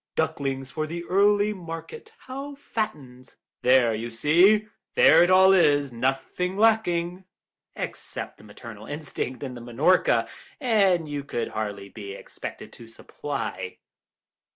Ducklings for the early market, how fattened.' There, you see, there it all is, nothing lacking." "Except the maternal instinct in the Minorca, and that you could hardly be expected to supply."